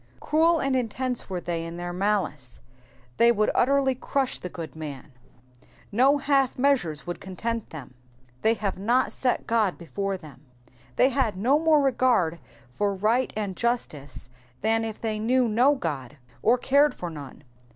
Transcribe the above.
Cruel and intense were they in their malice, they would utterly crush the good man ; no half measures would content them. *^'' They have not set Ood htfore them,'*'' They had no more regard for right and justice than if they knew no God, or cared for none.